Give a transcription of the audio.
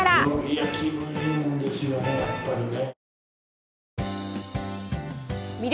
いや気分いいもんですよねやっぱりね。